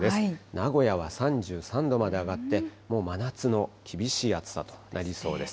名古屋は３３度まで上がって、もう真夏の厳しい暑さとなりそうです。